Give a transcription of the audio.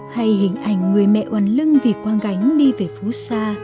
hay hình ảnh người mẹ hoàn lưng vì quang gánh đi về phú xa